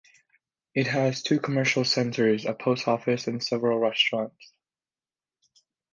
It has two commercial centres, a Post Office and several restaurants.